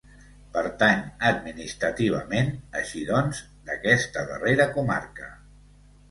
Pertany administrativament, així doncs, d'aquesta darrera comarca.